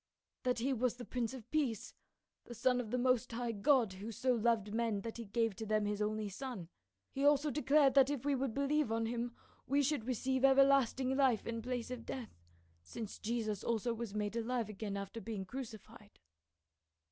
"That he was the Prince of Peace, the son of the most high God, who so loved men that he gave to them his only son. He also declared that if we would believe on him we should receive everlasting life in place of death, since Jesus also was made alive again after being crucified."